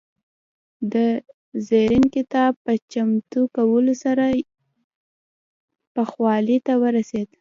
د زرین کتاب په چمتو کولو سره پوخوالي ته ورسېد.